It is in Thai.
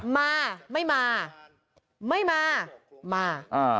มาไม่มาไม่มามา